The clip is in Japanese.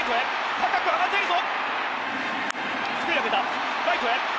高く上がっているぞ！